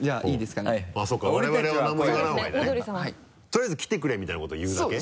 とりあえず来てくれみたいなことを言うだけ？